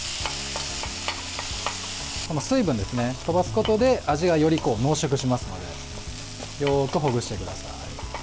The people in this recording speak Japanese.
この水分ですね、飛ばすことで味がより濃縮しますのでよくほぐしてください。